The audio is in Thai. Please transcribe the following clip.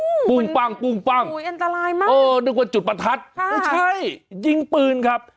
โอ้โหปุ้งปั้งปุ้งปั้งอุ้ยอันตรายมากเออนึกว่าจุดประทัดค่ะไม่ใช่ยิงปืนครับ